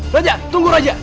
raja tunggu raja